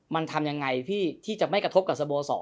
มันทำยังไงพี่ที่จะไม่กระทบกับสโมสร